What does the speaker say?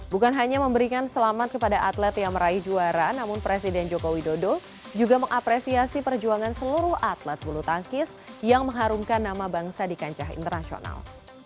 bukan hanya memberikan selamat kepada atlet yang meraih juara namun presiden joko widodo juga mengapresiasi perjuangan seluruh atlet bulu tangkis yang mengharumkan nama bangsa di kancah internasional